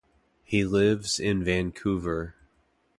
He lives in Vancouver.